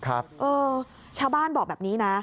เออชาวบ้านบอกแบบนี้นะ